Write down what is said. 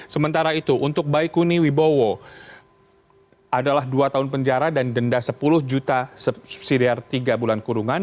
sementara itu untuk baikuni wibowo adalah dua tahun penjara dan denda sepuluh juta subsidiar tiga bulan kurungan